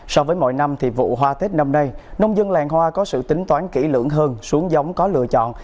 so với mọi năm thì vụ hoa tết năm nay nông dân làng hoa có sự tính toán kỹ lưỡng hơn xuống giống có lựa chọn